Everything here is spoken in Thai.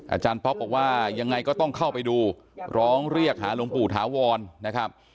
อาจารย์ป๊อปบอกว่ายังไงก็ต้องเข้าไปดูร้องเรียกหาหลวงปู่ถาวรนะครับ